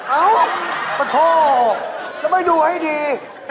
เอ้าปะโถแล้วไม่ดูให้ดี